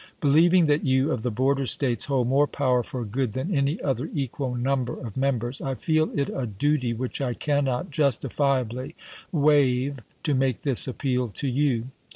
Believing that you of the border States hold more power for good than any other equal number of members, I feel it a duty which I cannot justifiably waive to make this appeal to you.